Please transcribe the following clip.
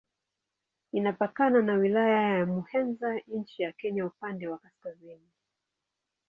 Inapakana na Wilaya ya Muheza na nchi ya Kenya upande wa kaskazini.